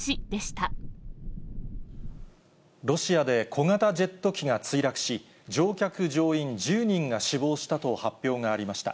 ロシアで小型ジェット機が墜落し、乗客・乗員１０人が死亡したと発表がありました。